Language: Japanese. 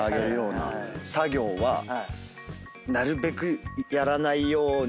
なるべくやらないように。